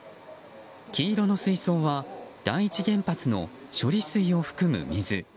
黄色の水槽は第一原発の処理水を含む水。